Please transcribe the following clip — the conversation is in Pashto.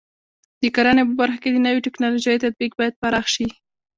د کرنې په برخه کې د نوو ټکنالوژیو تطبیق باید پراخ شي.